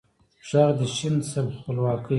ږغ د ې شین شه خپلواکۍ